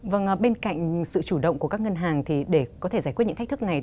vâng bên cạnh sự chủ động của các ngân hàng thì để có thể giải quyết những thách thức này